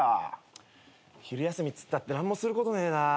昼休みっつったって何もすることねえな。